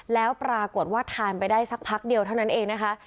แล้วปรากฏว่าทานไปได้สักพักเดียวเท่านั้นเองนะคะ